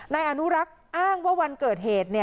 นายอนุรักษ์อ้างว่าวันเกิดเหตุ